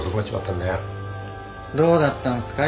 どうだったんすか？